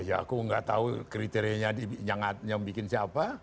ya aku nggak tahu kriterianya yang bikin siapa